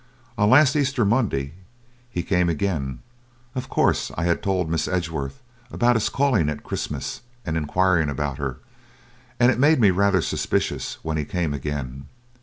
On last Easter Monday he came again. Of course I had told Miss Edgeworth, about his calling at Christmas and enquiring about her, and it made me rather suspicious when he came again.